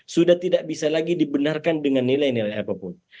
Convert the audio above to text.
sudah tidak bisa lagi dibenarkan dengan nilai nilai apapun